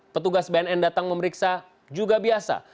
petugas bnn datang memeriksa juga biasa